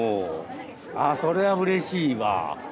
ああそれはうれしいわ。